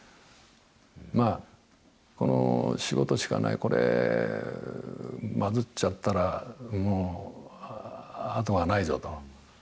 まあ、この仕事しかない、これ、まずっちゃったら、もう後がないぞと。